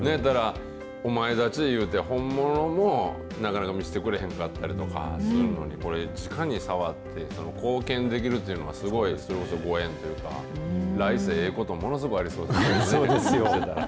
なんやったら、本物もなかなか見してくれへんかったりとかするのに、これ、じかに触って、貢献できるというのは、すごい、ご縁というか、来世、ええこと、ものすごいありそうですな。